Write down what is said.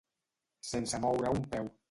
Sense moure un peu.